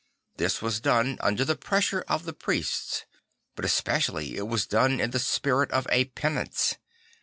This was done under the pressure of the priests; but especially it was done in the spirit of a penance.